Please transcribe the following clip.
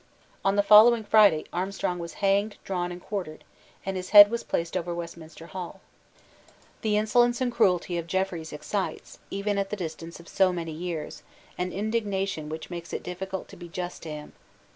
On the following Friday, Armstrong was hanged, drawn and quartered; and his head was placed over Westminster Hall, The insolence and cruelty of Jeffreys excite, even at the distance of so many years, an indignation which makes it difficult to be just to him.